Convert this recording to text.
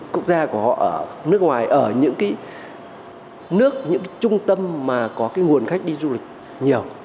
quốc gia của họ ở nước ngoài ở những trung tâm có nguồn khách đi du lịch nhiều